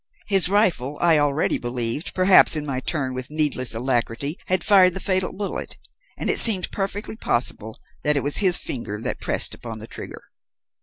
His rifle, I already believed, perhaps in my turn with needless alacrity, had fired the fatal bullet, and it seemed perfectly possible that it was his finger that pressed upon the trigger.